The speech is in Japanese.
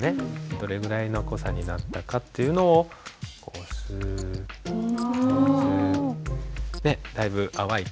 どれぐらいの濃さになったかっていうのをこうスッスッ。だいぶ淡い感じがするでしょ？